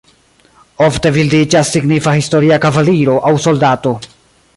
Ofte bildiĝas signifa historia kavaliro aŭ soldato.